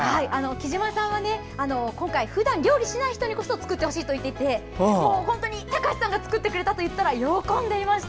きじまさんは今回、ふだん料理しない人こそ作ってほしいといっていて隆志さんが作ってくれたと言ったら喜んでいました。